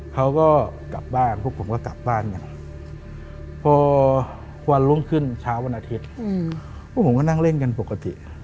พวกพวกเขากลับบ้านพอวันลงขึ้นเช้าวนอาทิตย์พวกผมก็นั่งเล่นกันปกติ